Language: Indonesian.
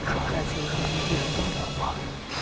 terima kasih tuhan